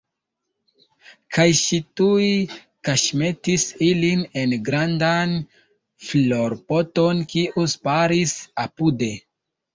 Kaj ŝi tuj kaŝmetis ilin en grandan florpoton, kiu staris apude.